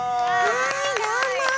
はいどうも！